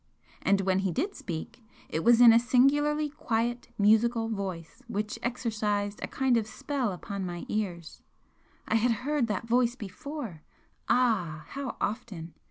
And when he did speak, it was in a singularly quiet, musical voice which exercised a kind of spell upon my ears I had heard that voice before ah! how often!